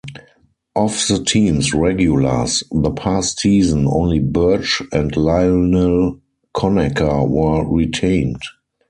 Of the team's regulars the past season, only Burch and Lionel Conacher were retained.